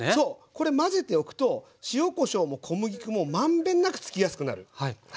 これ混ぜておくと塩こしょうも小麦粉も満遍なくつきやすくなる。